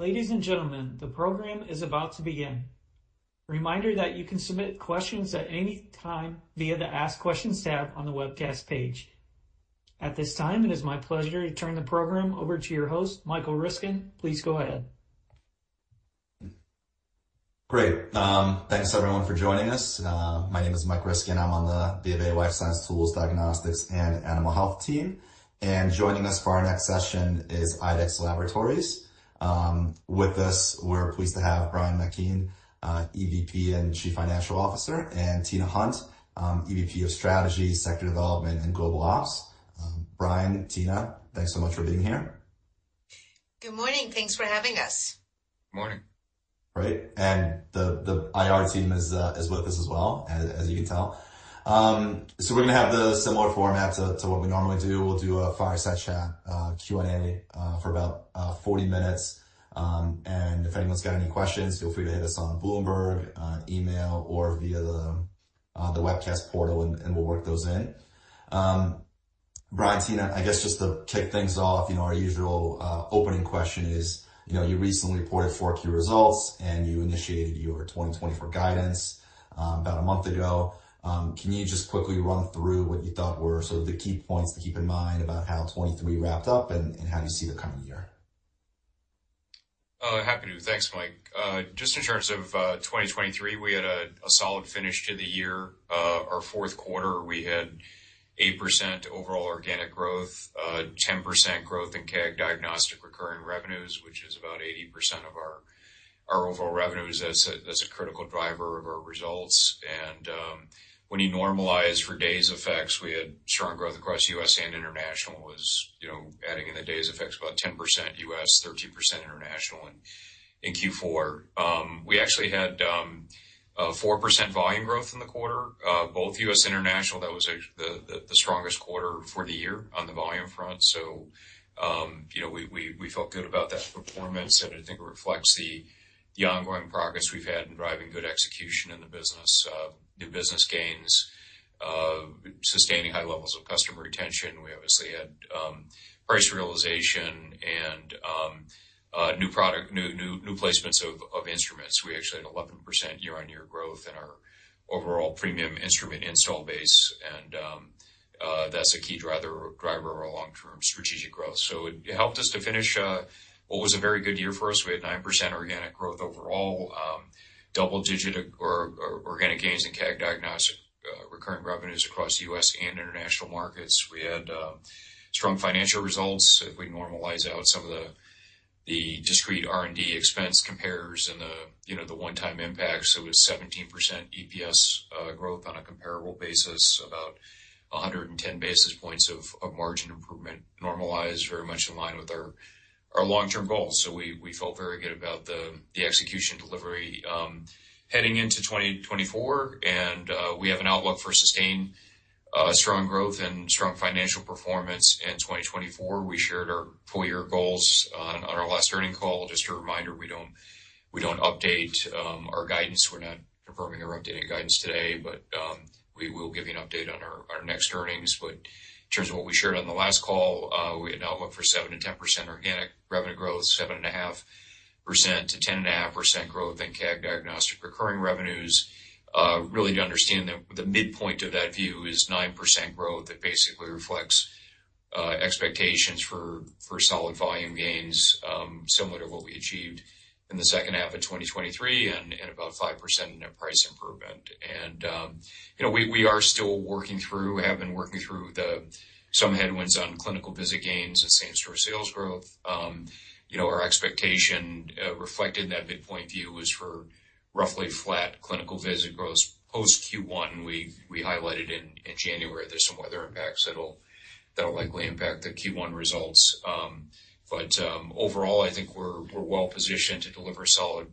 Ladies and gentlemen, the program is about to begin. Reminder that you can submit questions at any time via the Ask Questions tab on the webcast page. At this time, it is my pleasure to turn the program over to your host, Michael Ryskin. Please go ahead. Great. Thanks everyone for joining us. My name is Michael Ryskin. I'm on the B of A Life Science Tools, Diagnostics, and Animal Health team. Joining us for our next session is IDEXX Laboratories. With us, we're pleased to have Brian McKeon, EVP and Chief Financial Officer, and Tina Hunt, EVP of Strategy, Sector Development, and Global Ops. Brian, Tina, thanks so much for being here. Good morning. Thanks for having us. Morning. Great. The IR team is with us as well, as you can tell. So we're gonna have the similar format to what we normally do. We'll do a fireside chat, Q&A, for about 40 minutes. And if anyone's got any questions, feel free to hit us on Bloomberg, email, or via the webcast portal, and we'll work those in. Brian, Tina, I guess just to kick things off, you know, our usual opening question is, you know, you recently reported Q4 results, and you initiated your 2024 guidance, about a month ago. Can you just quickly run through what you thought were sort of the key points to keep in mind about how 2023 wrapped up and how you see the coming year? Happy to. Thanks, Mike. Just in terms of 2023, we had a solid finish to the year. Our fourth quarter, we had 8% overall organic growth, 10% growth in CAG diagnostic recurring revenues, which is about 80% of our overall revenues as a critical driver of our results. And, when you normalize for days' effects, we had strong growth across U.S. and international. You know, adding in the days' effects, about 10% U.S., 13% international in Q4. We actually had 4% volume growth in the quarter, both U.S. and international. That was the strongest quarter for the year on the volume front. So, you know, we felt good about that performance, and I think it reflects the ongoing progress we've had in driving good execution in the business, new business gains, sustaining high levels of customer retention. We obviously had price realization and new product placements of instruments. We actually had 11% year-on-year growth in our overall premium instrument install base. And that's a key driver of our long-term strategic growth. So it helped us to finish what was a very good year for us. We had 9% organic growth overall, double-digit organic gains in CAG diagnostic recurring revenues across US and international markets. We had strong financial results. If we normalize out some of the discrete R&D expense compares and the, you know, the one-time impacts, it was 17% EPS growth on a comparable basis, about 110 basis points of margin improvement, normalized, very much in line with our long-term goals. So we felt very good about the execution delivery heading into 2024. We have an outlook for sustained, strong growth and strong financial performance in 2024. We shared our full-year goals on our last earnings call. Just a reminder, we don't update our guidance. We're not confirming or updating guidance today, but we will give you an update on our next earnings. In terms of what we shared on the last call, we had an outlook for 7%-10% organic revenue growth, 7.5%-10.5% growth in CAG diagnostic recurring revenues. Really to understand that the midpoint of that view is 9% growth that basically reflects expectations for solid volume gains, similar to what we achieved in the second half of 2023 and about 5% net price improvement. You know, we are still working through some headwinds on clinical visit gains and same-store sales growth. You know, our expectation, reflected in that midpoint view, was for roughly flat clinical visit growth post-Q1. We highlighted in January, there's some weather impacts that'll likely impact the Q1 results. But overall, I think we're well positioned to deliver solid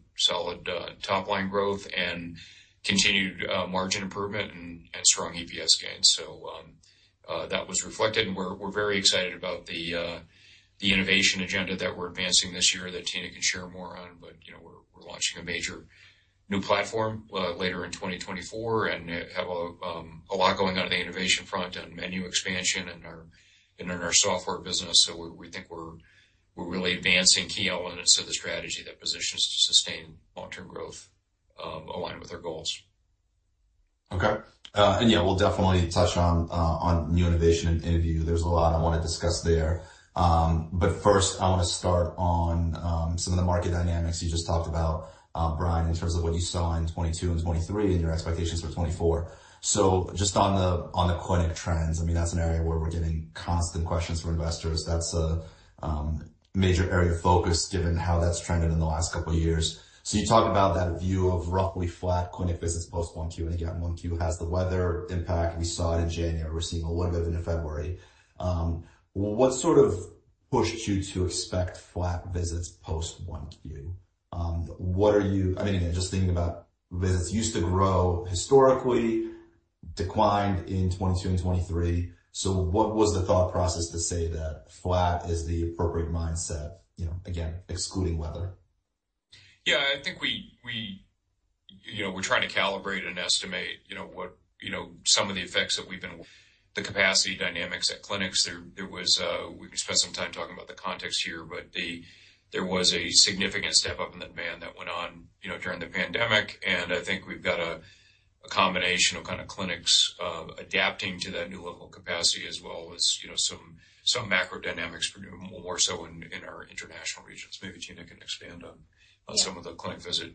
top-line growth and continued margin improvement and strong EPS gains. So, that was reflected. And we're very excited about the innovation agenda that we're advancing this year that Tina can share more on. But you know, we're launching a major new platform later in 2024 and have a lot going on in the innovation front on menu expansion and on our software business. We think we're really advancing key elements of the strategy that positions to sustain long-term growth, aligned with our goals. Okay. Yeah, we'll definitely touch on new innovation and interview. There's a lot I wanna discuss there. First, I wanna start on some of the market dynamics you just talked about, Brian, in terms of what you saw in 2022 and 2023 and your expectations for 2024. So just on the clinic trends, I mean, that's an area where we're getting constant questions from investors. That's a major area of focus given how that's trended in the last couple of years. So you talked about that view of roughly flat clinic visits post-1Q. And again, 1Q has the weather impact. We saw it in January. We're seeing a little bit of it in February. What sort of pushed you to expect flat visits post-1Q? What are you—I mean, again, just thinking about visits—used to grow historically, declined in 2022 and 2023. What was the thought process to say that flat is the appropriate mindset, you know, again, excluding weather? Yeah. I think we you know, we're trying to calibrate and estimate, you know, what you know, some of the effects that we've been. The capacity dynamics at clinics. There was, we can spend some time talking about the context here, but there was a significant step up in the demand that went on, you know, during the pandemic. And I think we've got a combination of kinda clinics adapting to that new level of capacity as well as, you know, some macro dynamics, more so in our international regions. Maybe Tina can expand on some of the clinic visit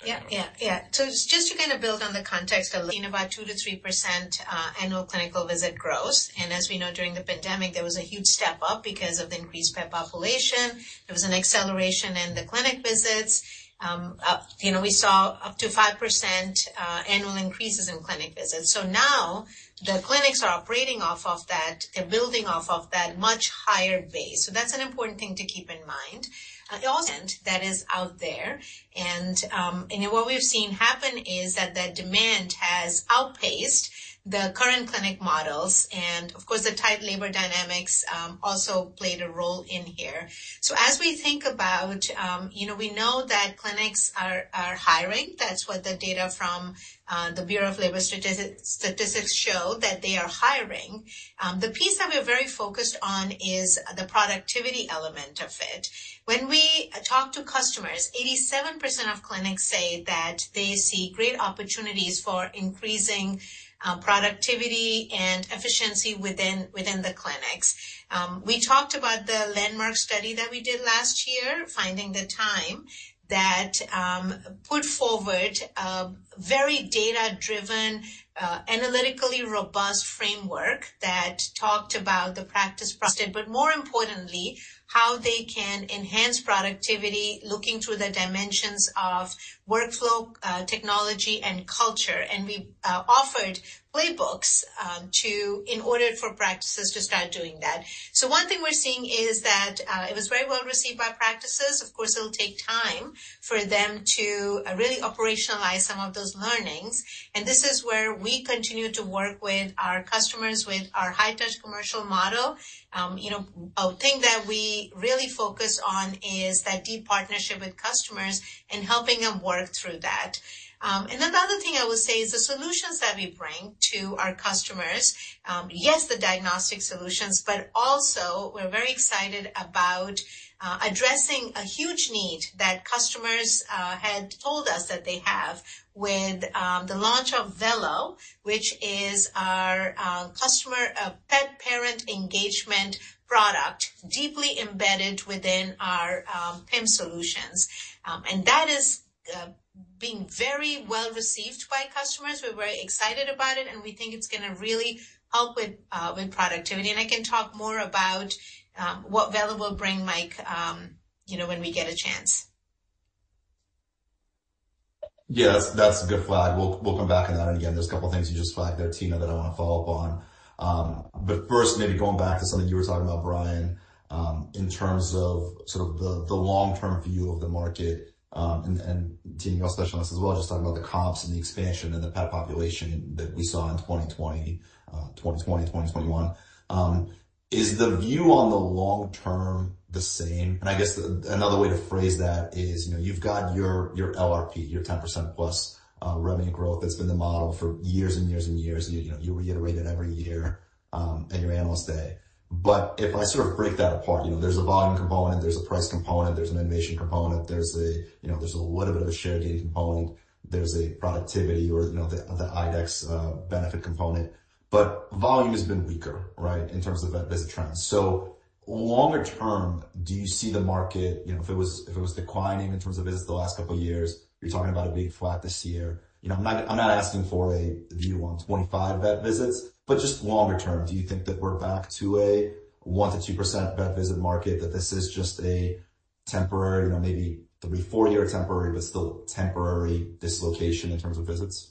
dynamics. Yeah. Yeah. Yeah. So just to kinda build on the context of in about 2%-3% annual clinical visit growth. And as we know, during the pandemic, there was a huge step up because of the increased pet population. There was an acceleration in the clinic visits. You know, we saw up to 5% annual increases in clinic visits. So now the clinics are operating off of that. They're building off of that much higher base. So that's an important thing to keep in mind. Also, that is out there. And, and what we've seen happen is that that demand has outpaced the current clinic models. And of course, the tight labor dynamics also played a role in here. So as we think about, you know, we know that clinics are, are hiring. That's what the data from the Bureau of Labor Statistics show, that they are hiring. The piece that we're very focused on is the productivity element of it. When we talk to customers, 87% of clinics say that they see great opportunities for increasing productivity and efficiency within the clinics. We talked about the landmark study that we did last year, Finding the Time, that put forward a very data-driven, analytically robust framework that talked about the practice process, but more importantly, how they can enhance productivity looking through the dimensions of workflow, technology, and culture. We offered playbooks to in order for practices to start doing that. One thing we're seeing is that it was very well received by practices. Of course, it'll take time for them to really operationalize some of those learnings. This is where we continue to work with our customers with our high-touch commercial model. You know, a thing that we really focus on is that deep partnership with customers and helping them work through that. And then the other thing I will say is the solutions that we bring to our customers. Yes, the diagnostic solutions, but also, we're very excited about addressing a huge need that customers had told us that they have with the launch of Vello, which is our customer pet parent engagement product deeply embedded within our PIM solutions. And that is being very well received by customers. We're very excited about it, and we think it's gonna really help with productivity. And I can talk more about what Vello will bring, Mike, you know, when we get a chance. Yeah. That's, that's a good flag. We'll, we'll come back on that. And again, there's a couple of things you just flagged there, Tina, that I wanna follow up on. But first, maybe going back to something you were talking about, Brian, in terms of sort of the, the long-term view of the market, and, and Tina, you're a specialist as well, just talking about the comps and the expansion and the pet population that we saw in 2020, 2020, 2021. Is the view on the long term the same? And I guess the another way to phrase that is, you know, you've got your, your LRP, your 10%+ revenue growth that's been the model for years and years and years. And you, you know, you reiterate it every year, at your analyst day. But if I sort of break that apart, you know, there's a volume component. There's a price component. There's an innovation component. There's a, you know, little bit of a share gain component. There's a productivity or, you know, the, the IDEXX benefit component. But volume has been weaker, right, in terms of vet visit trends. So longer term, do you see the market, you know, if it was declining in terms of visits the last couple of years, you're talking about a big flat this year. You know, I'm not asking for a view on 2025 vet visits, but just longer term, do you think that we're back to a 1%-2% vet visit market, that this is just a temporary, you know, maybe 3-4-year temporary, but still temporary dislocation in terms of visits?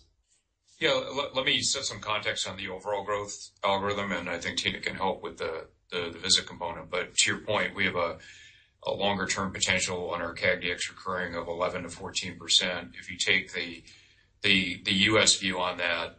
Yeah. Let me set some context on the overall growth algorithm. I think Tina can help with the visit component. But to your point, we have a longer-term potential on our CAG Dx recurring of 11%-14%. If you take the U.S. view on that,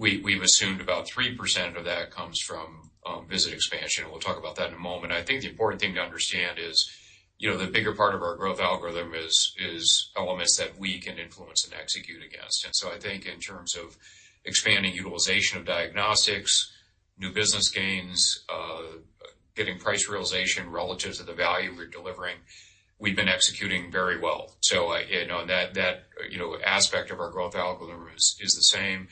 we've assumed about 3% of that comes from visit expansion. We'll talk about that in a moment. I think the important thing to understand is, you know, the bigger part of our growth algorithm is elements that we can influence and execute against. So I think in terms of expanding utilization of diagnostics, new business gains, getting price realization relative to the value we're delivering, we've been executing very well. So I, you know, and that aspect of our growth algorithm is the same.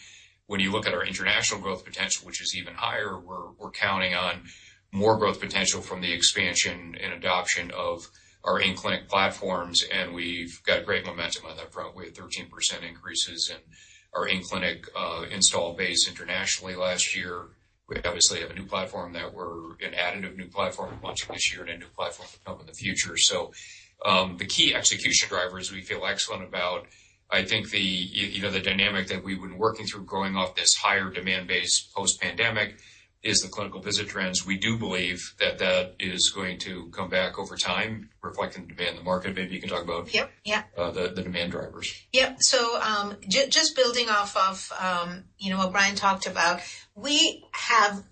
When you look at our international growth potential, which is even higher, we're counting on more growth potential from the expansion and adoption of our in-clinic platforms. And we've got great momentum on that front. We had 13% increases in our in-clinic install base internationally last year. We obviously have a new platform that we're an additive new platform launching this year and a new platform to come in the future. So, the key execution drivers we feel excellent about. I think the, you know, the dynamic that we've been working through growing off this higher demand base post-pandemic is the clinical visit trends. We do believe that that is going to come back over time, reflecting the demand in the market. Maybe you can talk about. Yep. Yeah. the demand drivers. Yep. So, just building off of, you know, what Brian talked about, we have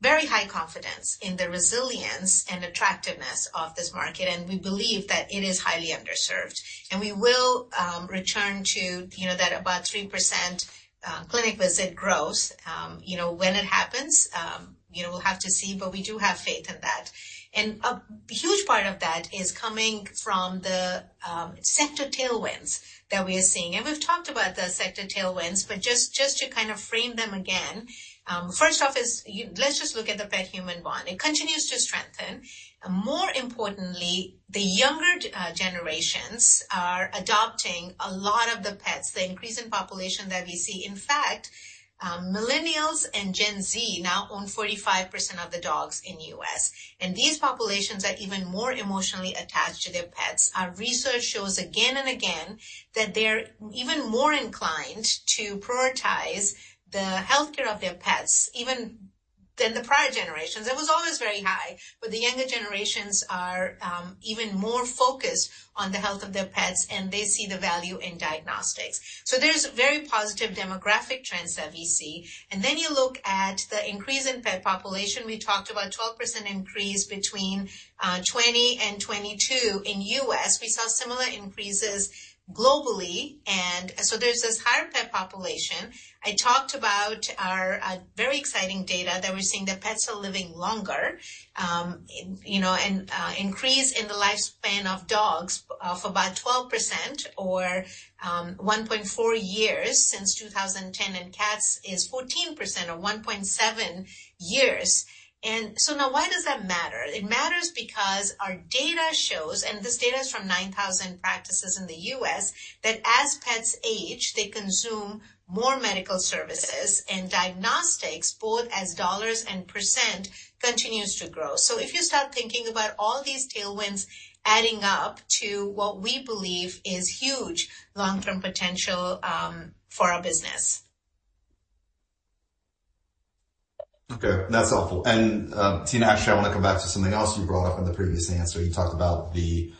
very high confidence in the resilience and attractiveness of this market. And we believe that it is highly underserved. And we will return to, you know, that about 3% clinic visit growth, you know, when it happens, you know, we'll have to see. But we do have faith in that. And a huge part of that is coming from the sector tailwinds that we are seeing. And we've talked about the sector tailwinds. But just to kind of frame them again, first off is you let's just look at the pet-human bond. It continues to strengthen. More importantly, the younger generations are adopting a lot of the pets, the increase in population that we see. In fact, millennials and Gen Z now own 45% of the dogs in the U.S. And these populations are even more emotionally attached to their pets. Our research shows again and again that they're even more inclined to prioritize the healthcare of their pets even than the prior generations. It was always very high. But the younger generations are even more focused on the health of their pets, and they see the value in diagnostics. So there's very positive demographic trends that we see. And then you look at the increase in pet population. We talked about a 12% increase between 2020 and 2022 in the U.S. We saw similar increases globally. And so there's this higher pet population. I talked about our very exciting data that we're seeing that pets are living longer, you know, and increase in the lifespan of dogs, for about 12% or 1.4 years since 2010. And cats is 14% or 1.7 years. And so now, why does that matter? It matters because our data shows and this data is from 9,000 practices in the U.S. that as pets age, they consume more medical services. Diagnostics, both as dollars and %, continues to grow. If you start thinking about all these tailwinds adding up to what we believe is huge long-term potential for our business. Okay. That's helpful. And, Tina, actually, I wanna come back to something else you brought up in the previous answer. You talked about the,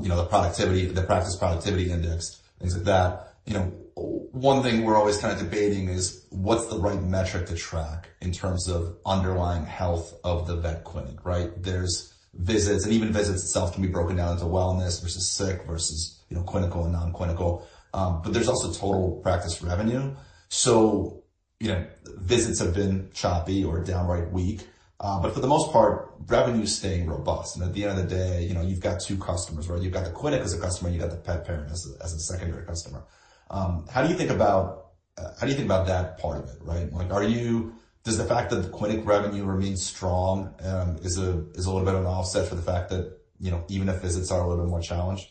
you know, the productivity the practice productivity index, things like that. You know, one thing we're always kinda debating is what's the right metric to track in terms of underlying health of the vet clinic, right? There's visits. And even visits itself can be broken down into wellness versus sick versus, you know, clinical and non-clinical. But there's also total practice revenue. So, you know, visits have been choppy or downright weak. For the most part, revenue's staying robust. And at the end of the day, you know, you've got two customers, right? You've got the clinic as a customer. You've got the pet parent as a as a secondary customer. How do you think about that part of it, right? Like, does the fact that the clinic revenue remains strong is a little bit of an offset for the fact that, you know, even if visits are a little bit more challenged?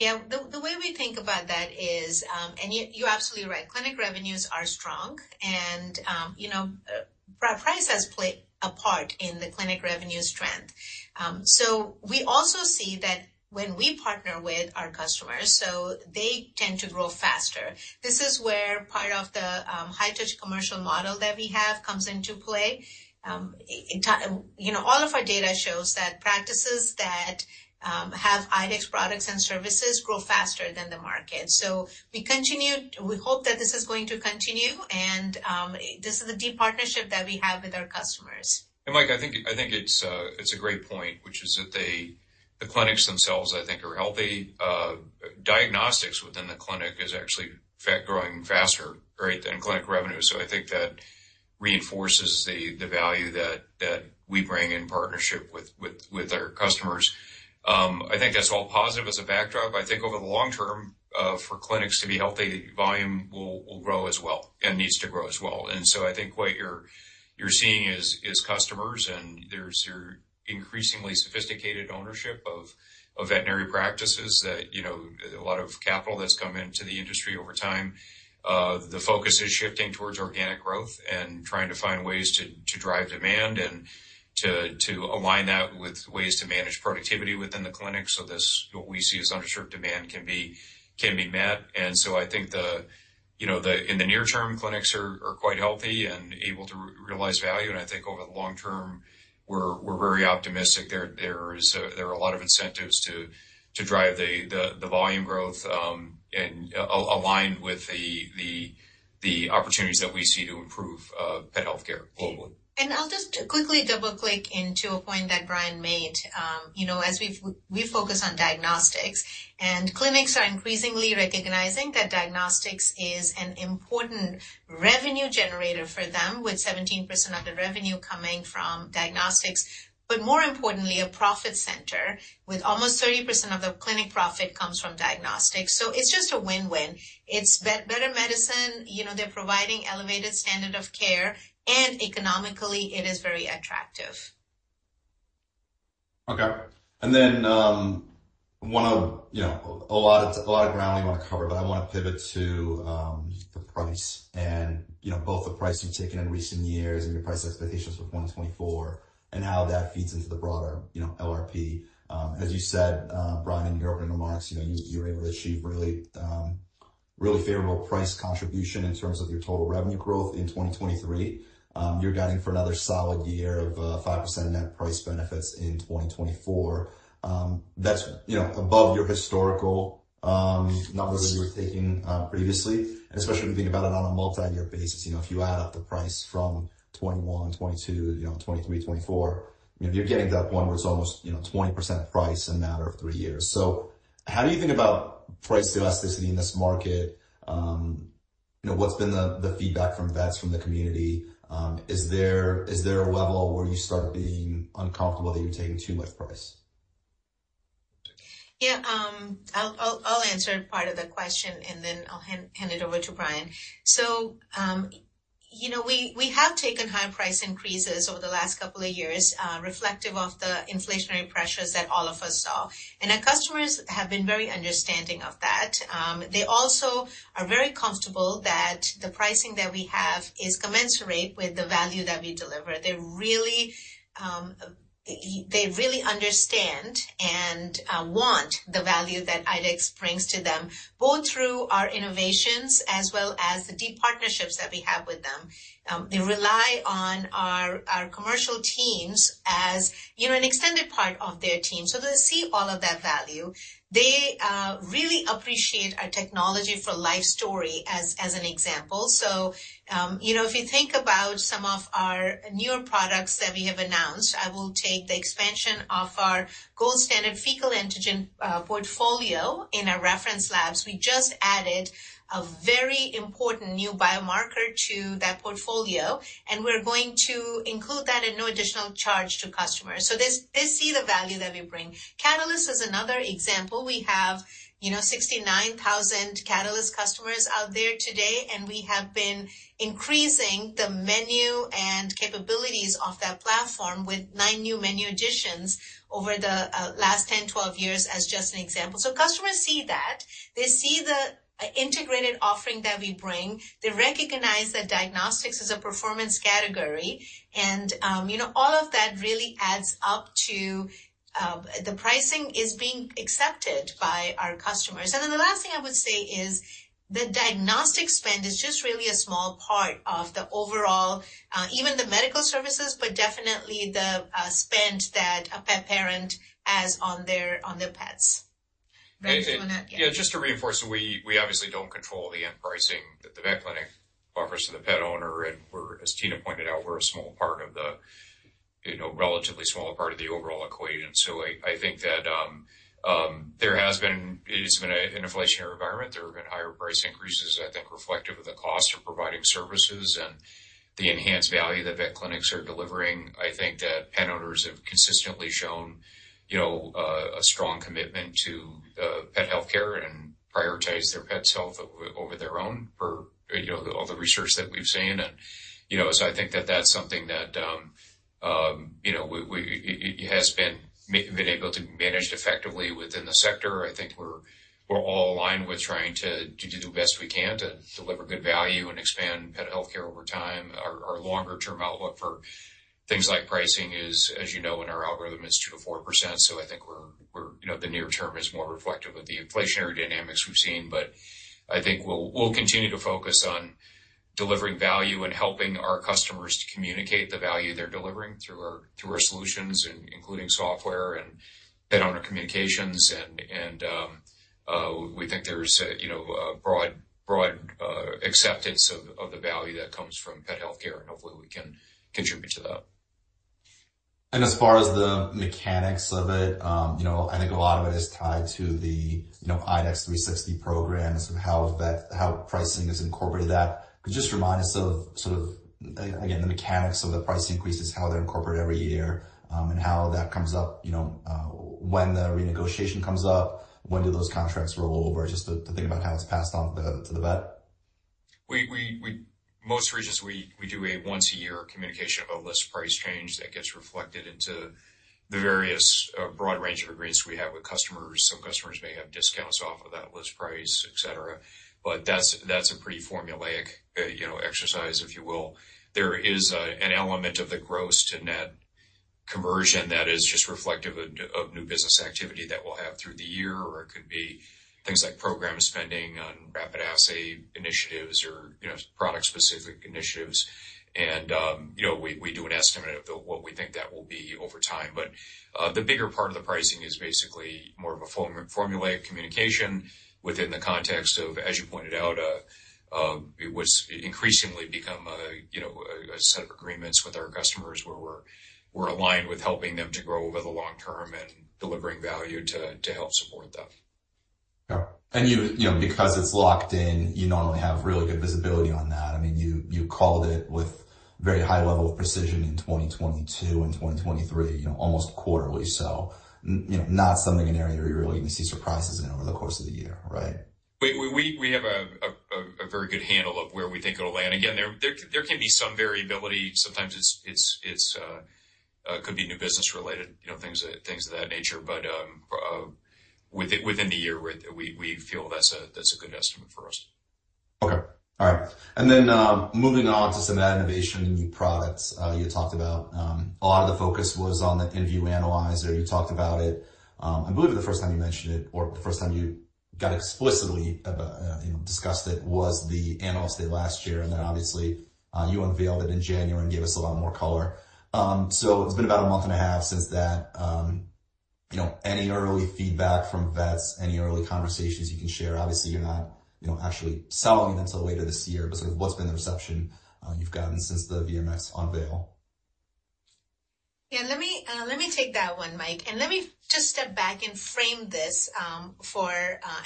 Yeah. The way we think about that is, and you're absolutely right. Clinic revenues are strong. You know, price has played a part in the clinic revenue strength. So we also see that when we partner with our customers, so they tend to grow faster. This is where part of the high-touch commercial model that we have comes into play. You know, all of our data shows that practices that have IDEXX products and services grow faster than the market. So we continue, we hope that this is going to continue. This is a deep partnership that we have with our customers. Mike, I think it's a great point, which is that the clinics themselves, I think, are healthy. Diagnostics within the clinic is actually growing faster, right, than clinic revenue. So I think that reinforces the value that we bring in partnership with our customers. I think that's all positive as a backdrop. I think over the long term, for clinics to be healthy, volume will grow as well and needs to grow as well. And so I think what you're seeing is customers. And there's your increasingly sophisticated ownership of veterinary practices that, you know, a lot of capital that's come into the industry over time. The focus is shifting towards organic growth and trying to find ways to drive demand and to align that with ways to manage productivity within the clinic so this what we see as underserved demand can be met. And so I think, you know, in the near term, clinics are quite healthy and able to realize value. I think over the long term, we're very optimistic. There is a, there are a lot of incentives to drive the volume growth and aligned with the opportunities that we see to improve pet healthcare globally. I'll just quickly double-click into a point that Brian made. You know, as we focus on diagnostics, and clinics are increasingly recognizing that diagnostics is an important revenue generator for them, with 17% of the revenue coming from diagnostics, but more importantly, a profit center, with almost 30% of the clinic profit comes from diagnostics. So it's just a win-win. It's better medicine. You know, they're providing elevated standard of care. And economically, it is very attractive. Okay. And then, I wanna, you know, cover a lot of ground we wanna cover. But I wanna pivot to the price and, you know, both the price you've taken in recent years and your price expectations for 2024 and how that feeds into the broader, you know, LRP. As you said, Brian, in your opening remarks, you know, you were able to achieve really favorable price contribution in terms of your total revenue growth in 2023. You're guiding for another solid year of 5% net price benefits in 2024. That's, you know, above your historical numbers that you were taking previously, and especially if you think about it on a multi-year basis. You know, if you add up the price from 2021, 2022, you know, 2023, 2024, you know, you're getting to that point where it's almost, you know, 20% price in a matter of three years. So how do you think about price elasticity in this market? You know, what's been the feedback from vets, from the community? Is there a level where you start being uncomfortable that you're taking too much price? Yeah. I'll answer part of the question, and then I'll hand it over to Brian. So, you know, we have taken high price increases over the last couple of years, reflective of the inflationary pressures that all of us saw. And our customers have been very understanding of that. They also are very comfortable that the pricing that we have is commensurate with the value that we deliver. They really understand and want the value that IDEXX brings to them, both through our innovations as well as the deep partnerships that we have with them. They rely on our commercial teams as, you know, an extended part of their team. So they see all of that value. They really appreciate our Technology for Life story as an example. So, you know, if you think about some of our newer products that we have announced, I will take the expansion of our gold standard fecal antigen portfolio in our reference labs. We just added a very important new biomarker to that portfolio. And we're going to include that at no additional charge to customers. So this, this see the value that we bring. Catalyst is another example. We have, you know, 69,000 Catalyst customers out there today. And we have been increasing the menu and capabilities of that platform with 9 new menu additions over the last 10-12 years, as just an example. So customers see that. They see the integrated offering that we bring. They recognize that diagnostics is a performance category. And, you know, all of that really adds up to the pricing is being accepted by our customers. Then the last thing I would say is the diagnostic spend is just really a small part of the overall, even the spend that a pet parent has on their pets. Very good. Yeah. Yeah. Just to reinforce, we obviously don't control the end pricing that the vet clinic offers to the pet owner. And we're, as Tina pointed out, a small part of, you know, the relatively small part of the overall equation. So I think that there has been; it's been an inflationary environment. There have been higher price increases, I think, reflective of the cost of providing services and the enhanced value that vet clinics are delivering. I think that pet owners have consistently shown, you know, a strong commitment to pet healthcare and prioritize their pets' health over their own per, you know, all the research that we've seen. And, you know, so I think that that's something that, you know, we, it has been managed effectively within the sector. I think we're, we're all aligned with trying to, to do the best we can to deliver good value and expand pet healthcare over time. Our, our longer-term outlook for things like pricing is, as you know, in our algorithm, is 2%-4%. So I think we're, we're you know, the near term is more reflective of the inflationary dynamics we've seen. But I think we'll, we'll continue to focus on delivering value and helping our customers to communicate the value they're delivering through our through our solutions, including software and pet owner communications. And, and, we think there's a, you know, a broad, broad, acceptance of, of the value that comes from pet healthcare. And hopefully, we can contribute to that. As far as the mechanics of it, you know, I think a lot of it is tied to the, you know, IDEXX 360 program and sort of how vet pricing is incorporated in that. Could you just remind us of sort of again, the mechanics of the price increases, how they're incorporated every year, and how that comes up, you know, when the renegotiation comes up? When do those contracts roll over? Just to think about how it's passed on to the vet. In most regions, we do a once-a-year communication of a list price change that gets reflected into the various, broad range of agreements we have with customers. Some customers may have discounts off of that list price, etc. But that's a pretty formulaic, you know, exercise, if you will. There is an element of the gross to net conversion that is just reflective of new business activity that we'll have through the year. Or it could be things like program spending on rapid assay initiatives or, you know, product-specific initiatives. You know, we do an estimate of what we think that will be over time. The bigger part of the pricing is basically more of a formulaic communication within the context of, as you pointed out, what's increasingly become a, you know, a set of agreements with our customers where we're aligned with helping them to grow over the long term and delivering value to help support them. Yeah. You know, because it's locked in, you normally have really good visibility on that. I mean, you called it with very high level of precision in 2022 and 2023, you know, almost quarterly. You know, not something, an area you're really gonna see surprises in over the course of the year, right? We have a very good handle of where we think it'll land. Again, there can be some variability. Sometimes it could be new business-related, you know, things of that nature. But within the year, we feel that's a good estimate for us. Okay. All right. And then, moving on to some of that innovation and new products, you talked about, a lot of the focus was on the inVue Dx. You talked about it. I believe the first time you mentioned it or the first time you got explicit about, you know, discussed it was the analyst day last year. And then, obviously, you unveiled it in January and gave us a lot more color. So it's been about a month and a half since that. You know, any early feedback from vets, any early conversations you can share? Obviously, you're not, you know, actually selling it until later this year. But sort of what's been the reception you've gotten since the VMX unveil? Yeah. Let me, let me take that one, Mike. And let me just step back and frame this for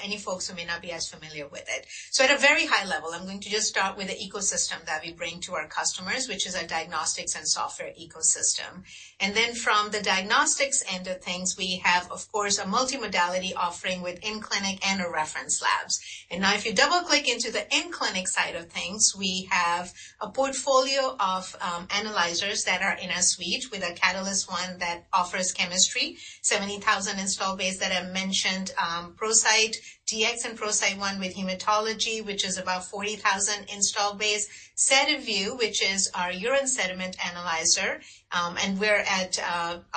any folks who may not be as familiar with it. So at a very high level, I'm going to just start with the ecosystem that we bring to our customers, which is our diagnostics and software ecosystem. And then from the diagnostics end of things, we have, of course, a multimodality offering within clinic and our reference labs. And now, if you double-click into the in-clinic side of things, we have a portfolio of analyzers that are in our suite with a Catalyst One that offers chemistry, 70,000 install base that I mentioned, ProCyte Dx and ProCyte One with hematology, which is about 40,000 install base, SediVue Dx, which is our urine sediment analyzer, and we're at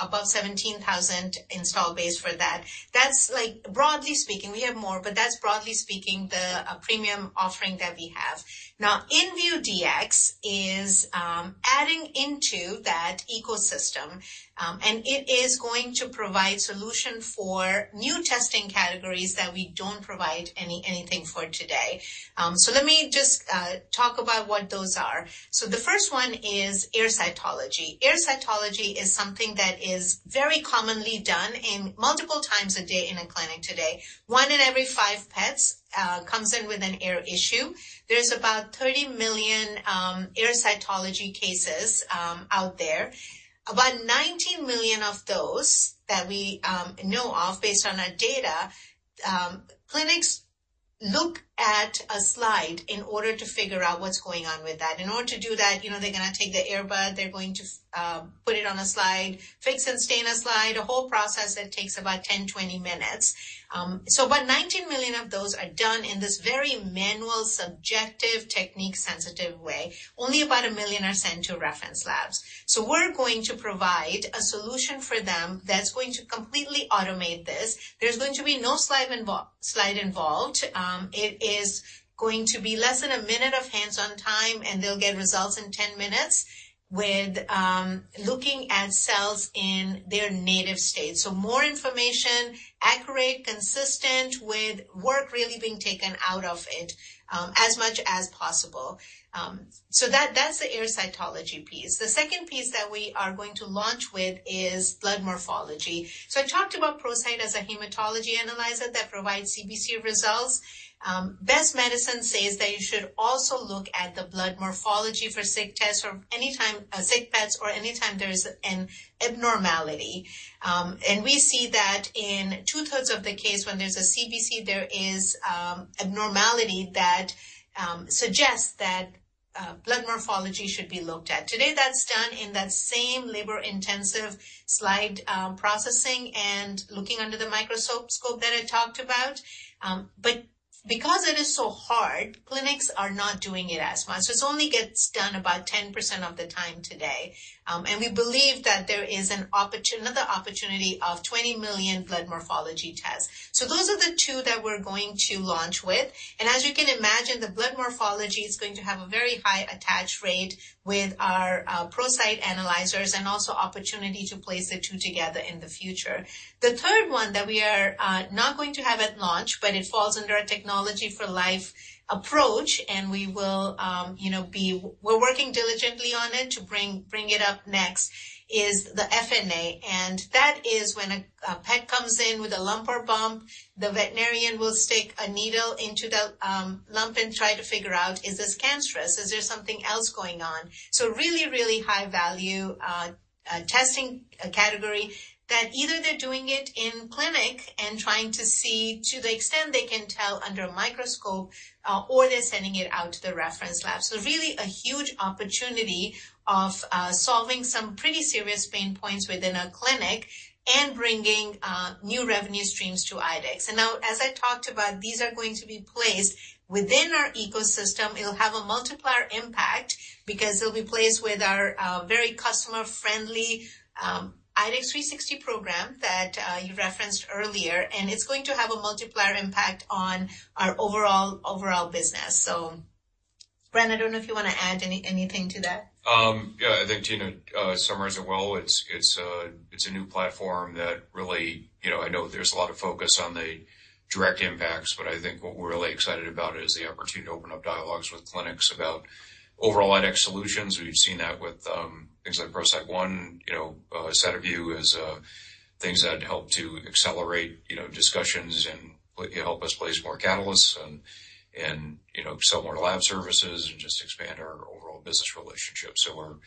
above 17,000 install base for that. That's, like, broadly speaking, we have more. But that's, broadly speaking, the premium offering that we have. Now, inVue Dx is adding into that ecosystem, and it is going to provide solution for new testing categories that we don't provide anything for today. So let me just talk about what those are. So the first one is ear cytology. Ear cytology is something that is very commonly done multiple times a day in a clinic today. One in every five pets comes in with an ear issue. There's about 30 million ear cytology cases out there. About 19 million of those that we know of, based on our data, clinics look at a slide in order to figure out what's going on with that. In order to do that, you know, they're gonna take the ear bud. They're going to put it on a slide, fix and stain a slide, a whole process that takes about 10-20 minutes. So about 19 million of those are done in this very manual, subjective, technique-sensitive way. Only about 1 million are sent to reference labs. So we're going to provide a solution for them that's going to completely automate this. There's going to be no slide involved. It is going to be less than 1 minute of hands-on time. And they'll get results in 10 minutes with looking at cells in their native state. So more information, accurate, consistent with work really being taken out of it, as much as possible. So that's the ear cytology piece. The second piece that we are going to launch with is blood morphology. So I talked about ProCyte as a hematology analyzer that provides CBC results. Best Medicine says that you should also look at the blood morphology for sick tests or anytime sick pets or anytime there's an abnormality. We see that in two-thirds of the case, when there's a CBC, there is an abnormality that suggests that blood morphology should be looked at. Today, that's done in that same labor-intensive slide processing and looking under the microscope that I talked about. Because it is so hard, clinics are not doing it as much. So it only gets done about 10% of the time today. We believe that there is an opportunity of 20 million blood morphology tests. So those are the two that we're going to launch with. And as you can imagine, the blood morphology, it's going to have a very high attach rate with our ProCyte analyzers and also opportunity to place the two together in the future. The third one that we are not going to have at launch, but it falls under our Technology for Life approach. And we will, you know, we're working diligently on it to bring it up next, is the FNA. And that is when a pet comes in with a lump or bump, the veterinarian will stick a needle into the lump and try to figure out, is this cancerous? Is there something else going on? So really, really high value testing category that either they're doing it in clinic and trying to see to the extent they can tell under a microscope, or they're sending it out to the reference lab. So really a huge opportunity of solving some pretty serious pain points within a clinic and bringing new revenue streams to IDEXX. And now, as I talked about, these are going to be placed within our ecosystem. It'll have a multiplier impact because it'll be placed with our very customer-friendly IDEXX 360 program that you referenced earlier. And it's going to have a multiplier impact on our overall business. So, Brian, I don't know if you wanna add anything to that. Yeah. I think Tina summarized it well. It's a new platform that really, you know, I know there's a lot of focus on the direct impacts. But I think what we're really excited about is the opportunity to open up dialogues with clinics about overall IDEXX solutions. We've seen that with things like ProCyte One, you know, SediVue Dx is things that help to accelerate, you know, discussions and plan to help us place more Catalysts and, you know, sell more lab services and just expand our overall business relationship. So,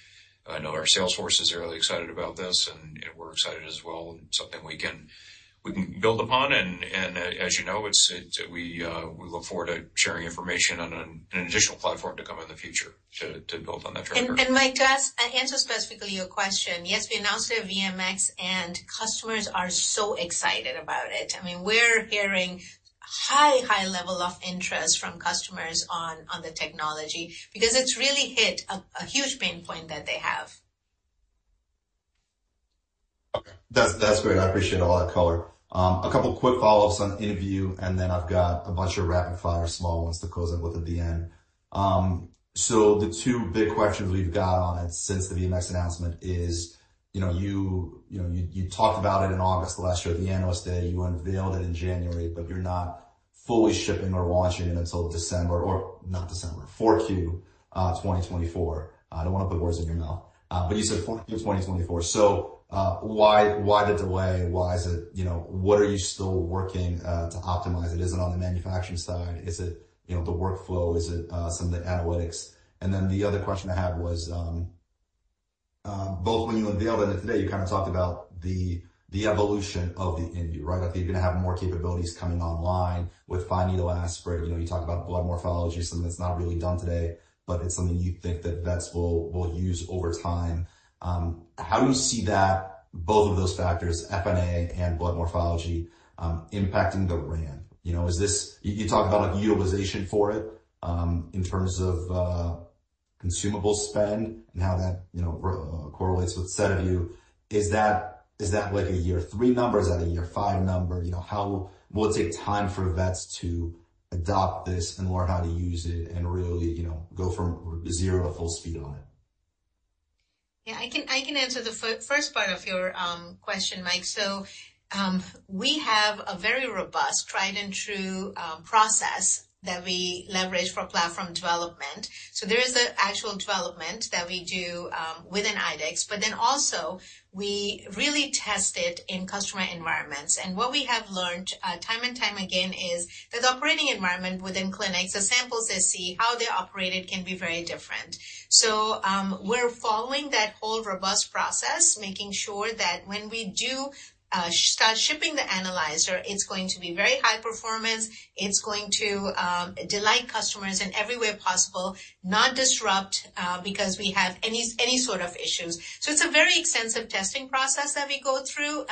I know our sales force is really excited about this. And we're excited as well. And something we can build upon. And, as you know, we look forward to sharing information on an additional platform to come in the future to build on that track record. Mike, to answer specifically your question, yes, we announced at VMX. Customers are so excited about it. I mean, we're hearing high level of interest from customers on the technology because it's really hit a huge pain point that they have. Okay. That's, that's great. I appreciate all that color. A couple quick follow-ups on inVue. And then I've got a bunch of rapid-fire small ones to close in with at the end. So the two big questions we've got on it since the VMX announcement is, you know, you, you know, you, you talked about it in August last year, the analyst day. You unveiled it in January. But you're not fully shipping or launching it until December or not December, Q4 2024. I don't wanna put words in your mouth. But you said Q4 2024. So, why, why the delay? Why is it you know, what are you still working to optimize? It isn't on the manufacturing side. Is it, you know, the workflow? Is it, some of the analytics? And then the other question I had was, both when you unveiled it and today, you kinda talked about the, the evolution of the inVue, right, that you're gonna have more capabilities coming online with fine-needle aspirate. You know, you talked about blood morphology, something that's not really done today. But it's something you think that vets will, will use over time. How do you see that, both of those factors, FNA and blood morphology, impacting the ramp? You know, is this you, you talked about, like, utilization for it, in terms of, consumable spend and how that, you know, correlates with SediVue. Is that is that, like, a year-three number? Is that a year-five number? You know, how will it take time for vets to adopt this and learn how to use it and really, you know, go from zero to full speed on it? Yeah. I can answer the first part of your question, Mike. So, we have a very robust, tried-and-true process that we leverage for platform development. So there is the actual development that we do within IDEXX. But then also, we really test it in customer environments. And what we have learned, time and time again, is that the operating environment within clinics, the samples they see, how they're operated, can be very different. So, we're following that whole robust process, making sure that when we do start shipping the analyzer, it's going to be very high performance. It's going to delight customers in every way possible, not disrupt because we have any sort of issues. So it's a very extensive testing process that we go through.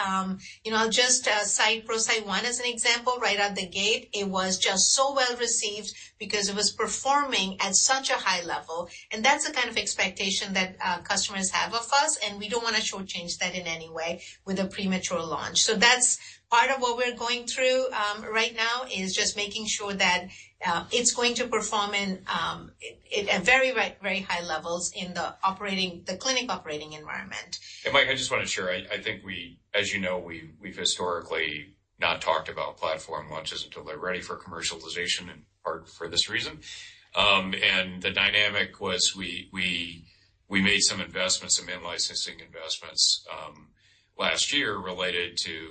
You know, I'll just cite ProCyte One as an example. Right out the gate, it was just so well received because it was performing at such a high level. That's the kind of expectation that customers have of us. We don't wanna shortchange that in any way with a premature launch. That's part of what we're going through right now: just making sure that it's going to perform in it at very, very high levels in the clinic operating environment. Mike, I just wanna ensure. I, I think we as you know, we, we've historically not talked about platform launches until they're ready for commercialization in part for this reason. And the dynamic was we, we, we made some investments, some in-licensing investments, last year related to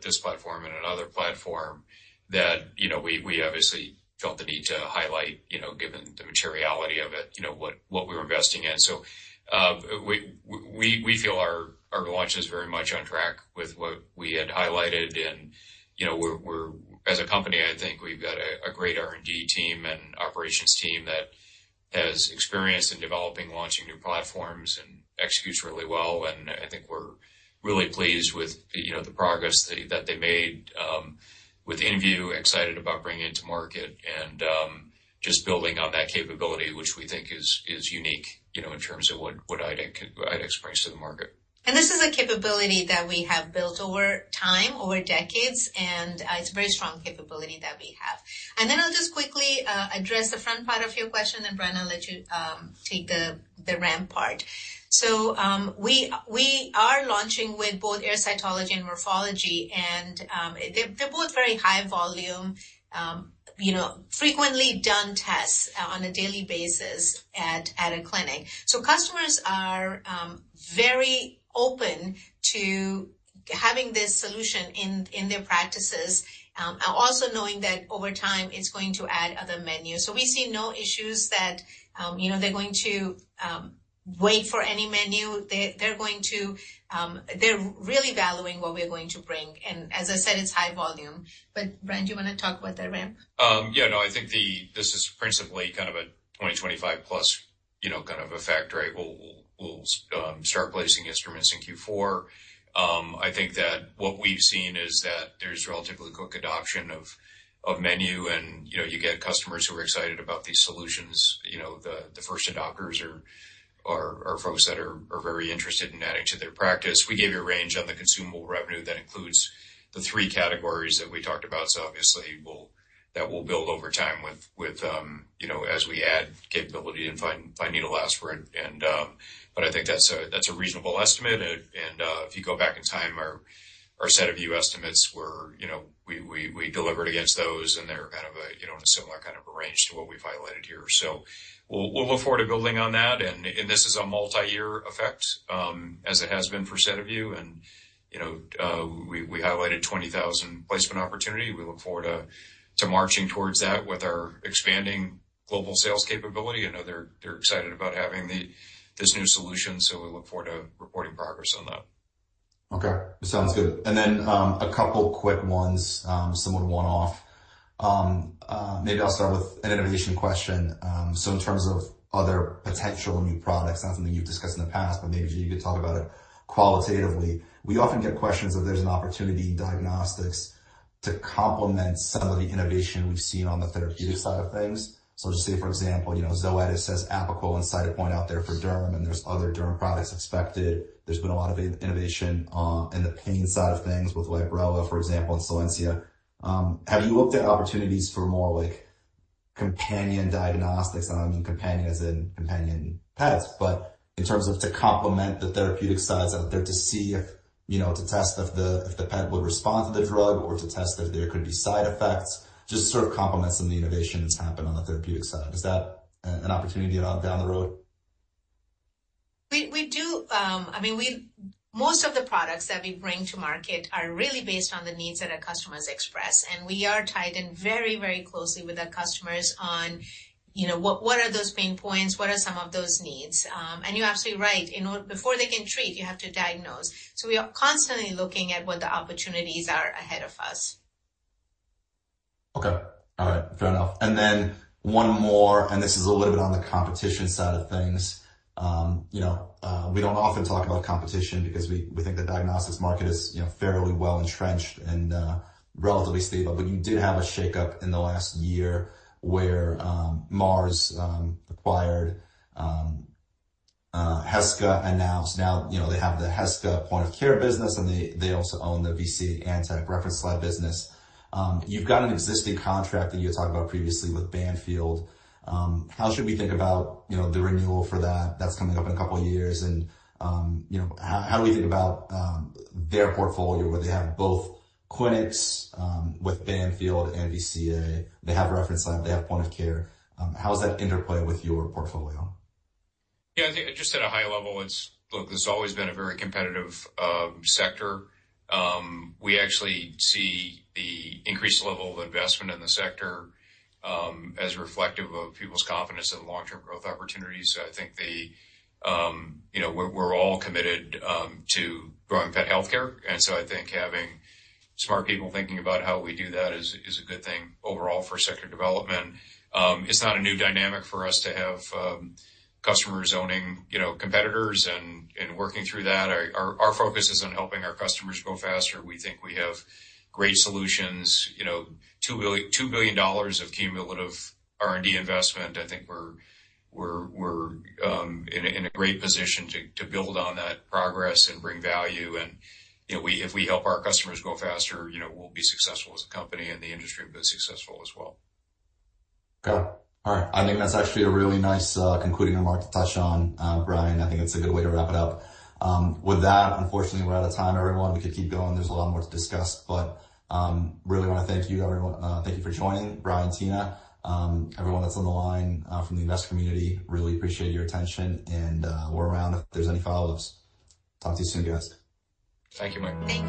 this platform and another platform that, you know, we, we, we obviously felt the need to highlight, you know, given the materiality of it, you know, what, what we were investing in. So, we, we, we feel our, our launch is very much on track with what we had highlighted. And, you know, we're, we're as a company, I think we've got a, a great R&D team and operations team that has experience in developing, launching new platforms and executes really well. I think we're really pleased with, you know, the progress that they made with inVue, excited about bringing into market and just building on that capability, which we think is unique, you know, in terms of what IDEXX brings to the market. This is a capability that we have built over time, over decades. It's a very strong capability that we have. Then I'll just quickly address the front part of your question. Then, Brian, I'll let you take the ramp part. So, we are launching with both ear cytology and morphology. And, they're both very high volume, you know, frequently done tests, on a daily basis at a clinic. So customers are very open to having this solution in their practices, also knowing that over time, it's going to add other menus. So we see no issues that, you know, they're going to wait for any menu. They're going to; they're really valuing what we're going to bring. And as I said, it's high volume. But, Brian, do you wanna talk about the ramp? Yeah. No, I think this is principally kind of a 2025+, you know, kind of effect, right? We'll start placing instruments in Q4. I think that what we've seen is that there's relatively quick adoption of menu. And, you know, you get customers who are excited about these solutions. You know, the first adopters are folks that are very interested in adding to their practice. We gave you a range on the consumable revenue that includes the three categories that we talked about. So obviously, that will build over time with, you know, as we add capability and fine-needle aspirate. And, but I think that's a reasonable estimate. And, if you go back in time, our SediVue Dx estimates were, you know, we delivered against those. They're kind of, you know, in a similar kind of arrangement to what we've highlighted here. So we'll, we'll look forward to building on that. And, and this is a multi-year effect, as it has been for SediVue Dx. And, you know, we, we highlighted 20,000 placement opportunity. We look forward to, to marching towards that with our expanding global sales capability. I know they're, they're excited about having this new solution. So we look forward to reporting progress on that. Okay. Sounds good. And then, a couple quick ones, somewhat one-off. Maybe I'll start with an innovation question. So in terms of other potential new products, not something you've discussed in the past, but maybe if you could talk about it qualitatively, we often get questions if there's an opportunity in diagnostics to complement some of the innovation we've seen on the therapeutic side of things. So I'll just say, for example, you know, Zoetis has Apoquel and Cytopoint out there for derm. And there's other derm products expected. There's been a lot of innovation in the pain side of things with Librela, for example, and Solensia. Have you looked at opportunities for more, like, companion diagnostics? And I mean companion as in companion pets. But in terms of to complement the therapeutic sides out there to see if, you know, to test if the pet would respond to the drug or to test if there could be side effects, just sort of complement some of the innovation that's happened on the therapeutic side. Is that an opportunity down the road? We do, I mean, most of the products that we bring to market are really based on the needs that our customers express. And we are tied in very, very closely with our customers on, you know, what are those pain points? What are some of those needs? And you're absolutely right. In order before they can treat, you have to diagnose. So we are constantly looking at what the opportunities are ahead of us. Okay. All right. Fair enough. And then one more. And this is a little bit on the competition side of things. You know, we don't often talk about competition because we, we think the diagnostics market is, you know, fairly well entrenched and, relatively stable. But you did have a shakeup in the last year where Mars acquired Heska announced. Now, you know, they have the Heska point-of-care business. And they, they also own the VCA Antech reference lab business. You've got an existing contract that you had talked about previously with Banfield. How should we think about, you know, the renewal for that that's coming up in a couple years? And, you know, how, how do we think about, their portfolio where they have both clinics, with Banfield and VCA? They have reference lab. They have point-of-care. How does that interplay with your portfolio? Yeah. I think just at a high level, it's, look, there's always been a very competitive sector. We actually see the increased level of investment in the sector as reflective of people's confidence in long-term growth opportunities. So I think they, you know, we're all committed to growing pet healthcare. And so I think having smart people thinking about how we do that is a good thing overall for sector development. It's not a new dynamic for us to have customers owning, you know, competitors and working through that. Our focus is on helping our customers go faster. We think we have great solutions, you know, $2 billion of cumulative R&D investment. I think we're in a great position to build on that progress and bring value. You know, if we help our customers go faster, you know, we'll be successful as a company and the industry will be successful as well. Okay. All right. I think that's actually a really nice, concluding remark to touch on, Brian. I think it's a good way to wrap it up. With that, unfortunately, we're out of time, everyone. We could keep going. There's a lot more to discuss. But, really wanna thank you, everyone. Thank you for joining, Brian and Tina. Everyone that's on the line, from the investor community, really appreciate your attention. We're around if there's any follow-ups. Talk to you soon, guys. Thank you, Mike. Thank.